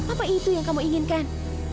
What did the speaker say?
apa itu yang kamu inginkan